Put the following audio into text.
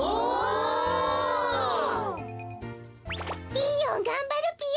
ピーヨンがんばるぴよ！